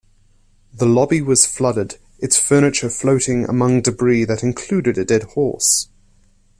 The lobby was flooded, its furniture floating among debris that included a dead horse.